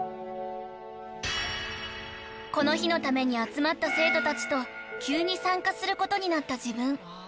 ［この日のために集まった生徒たちと急に参加することになった自分］